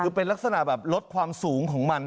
คือเป็นลักษณะแบบลดความสูงของมัน